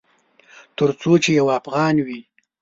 ترڅو چې یو افغان وي